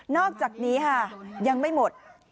อกจากนี้ค่ะยังไม่หมด